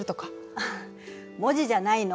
あっ文字じゃないの。